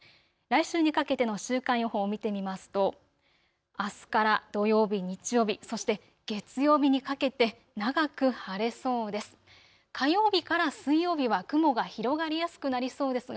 来週にかけての週間予報を見てみますとあすから土曜日、日曜日、そして月曜日にかけて長く晴れそうです。